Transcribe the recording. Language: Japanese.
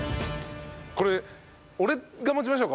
これ俺が持ちましょうか？